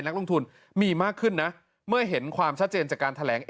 นักลงทุนมีมากขึ้นนะเมื่อเห็นความชัดเจนจากการแถลง